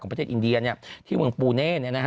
ประเทศอินเดียที่เมืองปูเน่